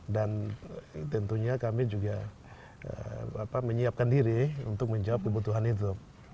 dan tentunya kami juga menyiapkan diri untuk menjawab kebutuhan itu